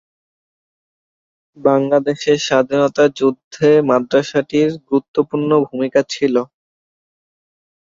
বাংলাদেশের স্বাধীনতা যুদ্ধে মাদ্রাসাটির গুরুত্বপূর্ণ ভূমিকা ছিল।